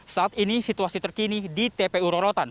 saat ini situasi terkini di tpu rorotan